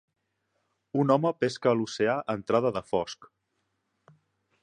Un home pesca a l'oceà a entrada de fosc.